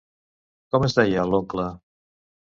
Com es deia l'oncle?